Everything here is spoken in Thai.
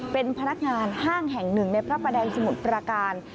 เป็นพนักงานห้างแห่งหนึ่งในพระประแดงสมุทรประการ